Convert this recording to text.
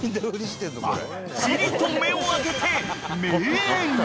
［ばっちりと目を開けて］